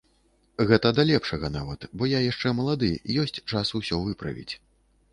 Гэта да лепшага нават, бо я яшчэ малады, ёсць час усё выправіць.